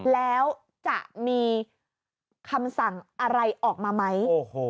แล้วจะมีคำสั่งอะไรออกมาไหม